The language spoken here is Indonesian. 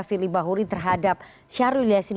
firly bahuri terhadap syahrul yassin